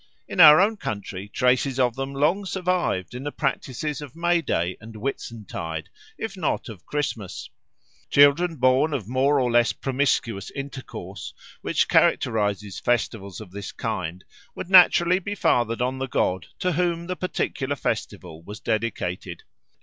In our own country traces of them long survived in the practices of May Day and Whitsuntide, if not of Christmas. Children born of more or less promiscuous intercourse which characterises festivals of this kind would naturally be fathered on the god to whom the particular festival was dedicated.